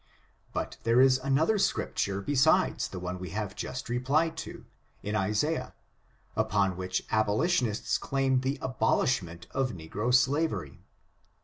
But there is another scripture, besides the one we have just replied to, in Isaiah, upon which abolitionists claim the abolishment of ne« gro slavery.